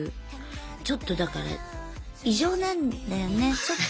ちょっとだから異常なんだよねちょっと。